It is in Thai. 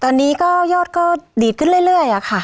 ตอนนี้ก็ยอดก็ดีดขึ้นเรื่อยค่ะ